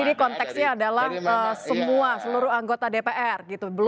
jadi di konteksnya adalah semua seluruh anggota dpr gitu